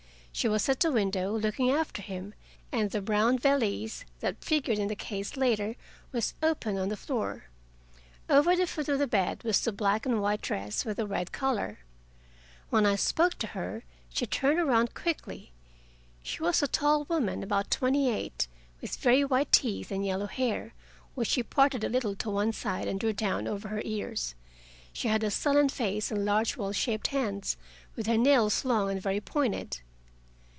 She was at the window, looking after him, and the brown valise, that figured in the case later, was opened on the floor. Over the foot of the bed was the black and white dress, with the red collar. When I spoke to her, she turned around quickly. She was a tall woman, about twenty eight, with very white teeth and yellow hair, which she parted a little to one side and drew down over her ears. She had a sullen face and large well shaped hands, with her nails long and very pointed.